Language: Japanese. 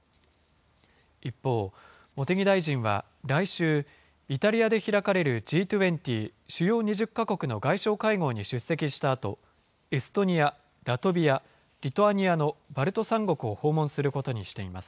一方、茂木大臣は来週、イタリアで開かれるＧ２０・主要２０か国の外相会合に出席したあと、エストニア、ラトビア、リトアニアのバルト３国を訪問することにしています。